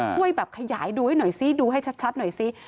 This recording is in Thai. ช่วยแบบขยายดูให้หน่อยซิดูให้ชัดหน่อยสิ